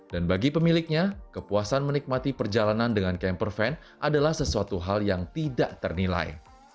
dan bagi pemiliknya kepuasan menikmati perjalanan dengan camper van adalah sesuatu hal yang tidak ternilai